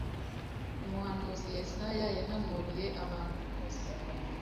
Umuhanuzi Yesaya yahanuriye abantu bose